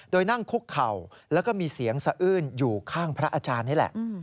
โดยนั่งคุกเข่าแล้วก็มีเสียงสะอื้นอยู่ข้างพระอาจารย์นี่แหละ